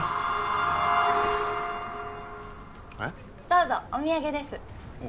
どうぞお土産です。